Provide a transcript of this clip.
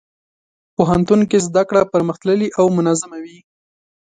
پوهنتون کې زدهکړه پرمختللې او منظمه وي.